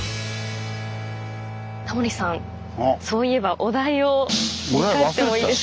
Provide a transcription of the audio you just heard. そういえばお題を振り返ってもいいですか。